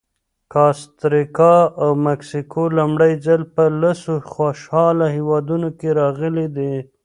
کاستریکا او مکسیکو لومړی ځل په لسو خوشحاله هېوادونو کې راغلي دي.